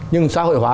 nhưng xã hội hóa